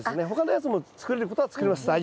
他のやつも作れることは作れます。